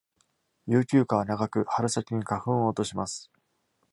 雄球果は長く、春先に花粉を落とします。